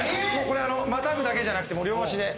これまたぐだけじゃなくて両足で。